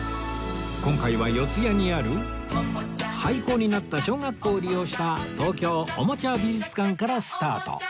今回は四谷にある廃校になった小学校を利用した東京おもちゃ美術館からスタート